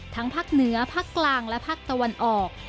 ภาคเหนือภาคกลางและภาคตะวันออก